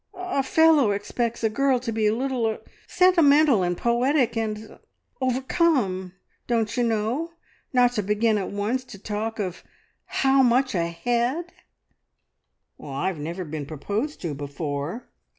... A a fellow expects a girl to be a little er sentimental and poetic, and er overcome, don't you know, not to begin at once to talk of how much a head!" "I've never been proposed to before.